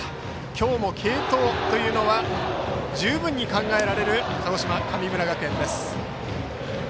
今日も継投というのは十分に考えられる鹿児島・神村学園です。